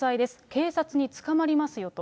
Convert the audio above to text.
警察に捕まりますよと。